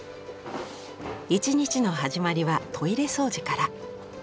一日の始まりはトイレ掃除から。